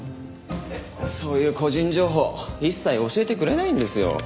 そういう個人情報一切教えてくれないんですよ。